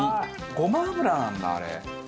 ごま油なんだあれ。